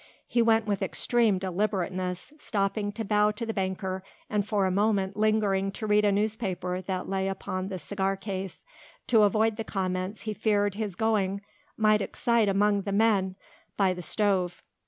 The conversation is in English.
He went with extreme deliberateness, stopping to bow to the banker, and for a moment lingering to read a newspaper that lay upon the cigar case, to avoid the comments he feared his going might excite among the men by the stove.